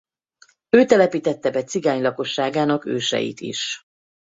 Ő telepítette be cigány lakosságának őseit is.